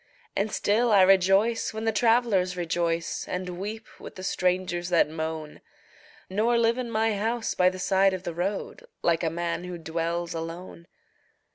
And still I rejoice when the travelers rejoice And weep with the strangers that moan, Nor live in my house by the side of the road Like a man who dwells alone.